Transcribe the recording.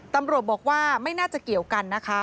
ตำรวจบอกว่าไม่น่าจะเกี่ยวกันนะคะ